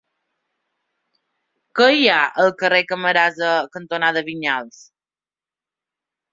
Què hi ha al carrer Camarasa cantonada Vinyals?